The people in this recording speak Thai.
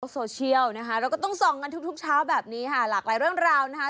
โซเชียลนะคะเราก็ต้องส่องกันทุกเช้าแบบนี้ค่ะหลากหลายเรื่องราวนะคะ